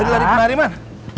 lari kemarin man